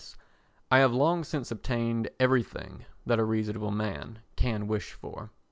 —I have long since obtained everything that a reasonable man can wish for.